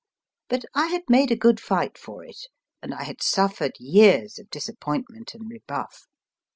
But I had made a good fight for it, and I had suffered years of disappointment and rebuff.